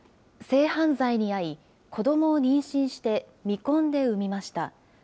性犯罪に遭い、子どもを妊娠して、未婚で産みました。